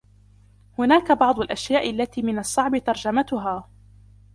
هناك بعض الأشياء التى من الصعب ترجمتها.